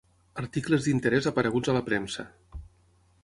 Articles d'interès apareguts a la premsa.